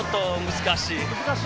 難しい？